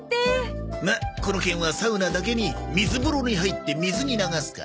まあこの件はサウナだけに水風呂に入って水に流すか。